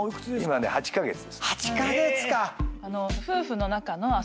８カ月か！